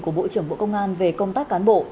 của bộ trưởng bộ công an về công tác cán bộ